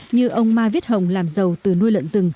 như ông mai viết hồng